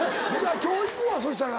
今日行くわそしたら。